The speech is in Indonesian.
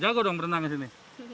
jago dong berenang di sini